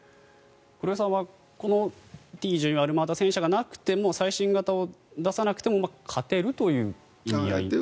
黒井さんはＴ１４アルマータ戦車がなくても最新型を出さなくても勝てるという意味合い？